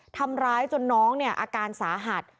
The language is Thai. ทำร้ายจนน้องอาการสาหัส